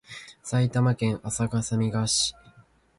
埼玉県朝霞市